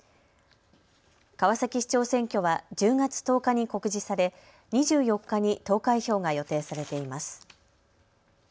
川崎市長選挙は１０月１０日に告示され、２４日に投開票が予定されています。